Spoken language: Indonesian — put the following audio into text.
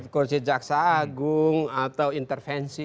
kursi jaksa agung atau intervensi